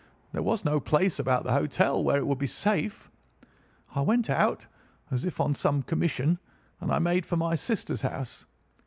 There was no place about the hotel where it would be safe. I went out, as if on some commission, and I made for my sister's house.